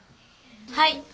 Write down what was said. はい。